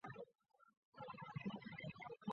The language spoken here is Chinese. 下阕开始两句一般要求对仗。